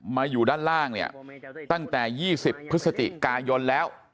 มาอยู่ด้านล่างตั้งแต่๒๐พฤศติกายนแล้ว